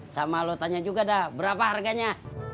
sama lo tanya juga dah berapa harganya